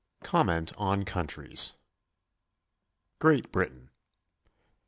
COMMENT ON COUNTRIES. GREAT BRITAIN.